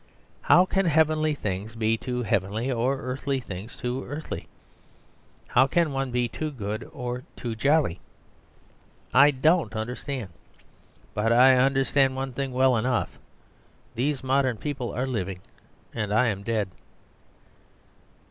How can heavenly things be too heavenly, or earthly things too earthly? How can one be too good, or too jolly? I don't understand. But I understand one thing well enough. These modern people are living and I am dead."